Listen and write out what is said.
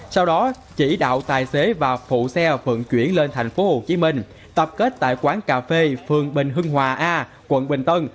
sau đó chỉ đạo tài xế và phụ xe vận chuyển lên thành phố hồ chí minh tập kết tại quán cà phê phường bình hưng hòa a quận bình tân